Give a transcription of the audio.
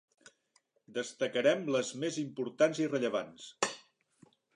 Destacarem les més importants i rellevants.